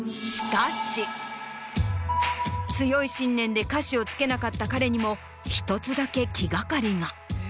強い信念で歌詞をつけなかった彼にも１つだけ気がかりが。